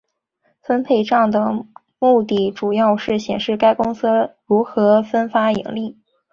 分配帐的目的主要是显示该公司如何分发盈利。